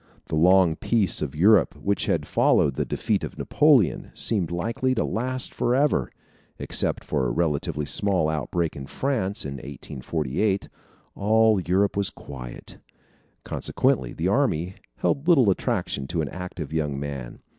The long peace of Europe, which had followed the defeat of Napoleon, seemed likely to last forever. Except for a relatively small outbreak in France, in 1848, all Europe was quiet. Consequently, the army held little attraction to an active young man.